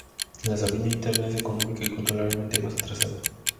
La Sabina interna es económica y culturalmente más atrasada.